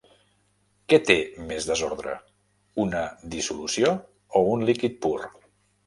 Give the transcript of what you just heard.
Què té més desordre una dissolució o un líquid pur?